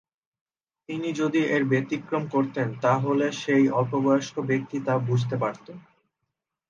তিনি যদি এর ব্যতিক্রম করতেন, তা হলে সেই অল্পবয়স্ক ব্যক্তি তা বুঝতে পারত।